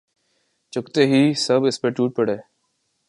چکھتے ہی سب اس پر ٹوٹ پڑے